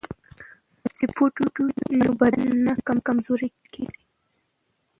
که سپورت وي نو بدن نه کمزوری کیږي.